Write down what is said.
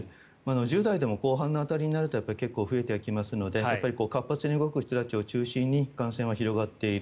１０代でも後半の辺りになると結構増えてはきますのでやっぱり活発に動く人たちを中心に、感染は広がっている。